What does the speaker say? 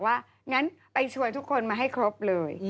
ว่างั้นไปชวนทุกคนมาให้ครบเลย